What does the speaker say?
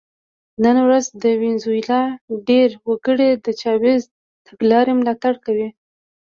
نن ورځ د وینزویلا ډېر وګړي د چاوېز د تګلارې ملاتړ کوي.